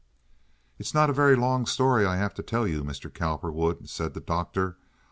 "It's not a very long story I have to tell you, Mr. Cowperwood," said the doctor.